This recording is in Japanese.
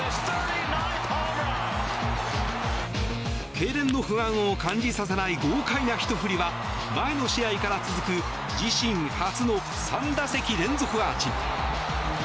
けいれんの不安を感じさせない豪快なひと振りは前の試合から続く自身初の３打席連続アーチ。